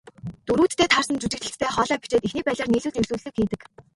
Дүрүүддээ таарсан жүжиглэлттэй хоолой бичээд, эхний байдлаар нийлүүлж эвлүүлэг хийдэг.